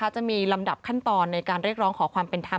จะมีลำดับขั้นตอนในการเรียกร้องขอความเป็นธรรม